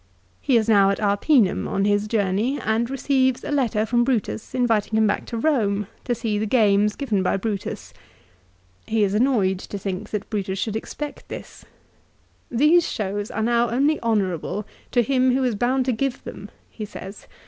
1 He is now at Arpinum on his journey, and receives a letter from Brutus inviting him back to Eome, to see the games given by Brutus. He is annoyed to think that Brutus should expect this. " These shows are now only honourable to him who is bound to give them," he says.